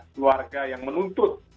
keluarga yang menuntut